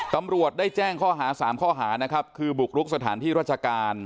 ตำรวจได้แจ้งข้อหา๓ข้อหานะครับคือบุกรุกสถานที่ราชการ